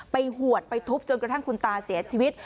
หวดไปทุบจนกระทั่งคุณตาเสียชีวิต